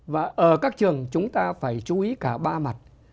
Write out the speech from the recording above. và ở các trường chúng ta phải chú ý cả ba mặt